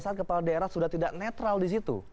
sepertinya kepala daerah sudah tidak netral disitu